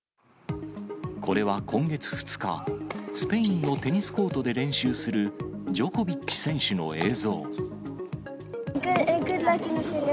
これは今月２日、スペインのテニスコートで練習するジョコビッチ選手の映像。